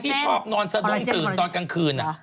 ที่ชอบนอนสะดุ้งตื่นตอนกลางคืน